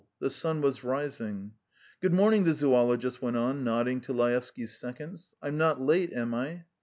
The sun was rising. "Good morning!" the zoologist went on, nodding to Laevsky's seconds. "I'm not late, am I?"